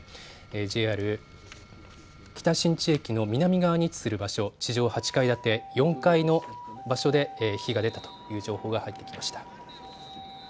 ＪＲ北新地駅の南側に位置する場所、地上８階建て４階の場所で火が出たという情報が入ってきました。